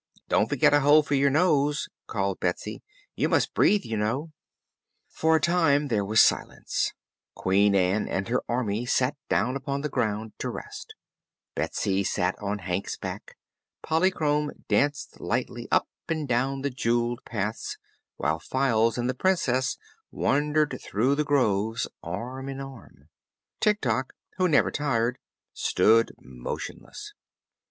"Don't forget a hole for your nose," cried Betsy. "You must breathe, you know." For a time there was silence. Queen Ann and her army sat down upon the ground to rest. Betsy sat on Hank's back. Polychrome danced lightly up and down the jeweled paths while Files and the Princess wandered through the groves arm in arm. Tik Tok, who never tired, stood motionless.